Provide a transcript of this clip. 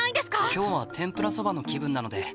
今日は天ぷらそばの気分なので。